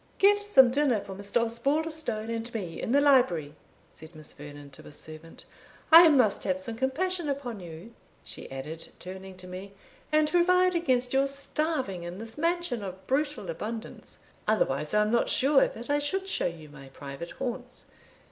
"Get some dinner for Mr. Osbaldistone and me in the library," said Miss Vernon to a servant. "I must have some compassion upon you," she added, turning to me, "and provide against your starving in this mansion of brutal abundance; otherwise I am not sure that I should show you my private haunts.